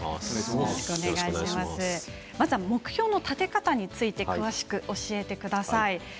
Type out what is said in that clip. まずは目標の食べ方について詳しく教えてください。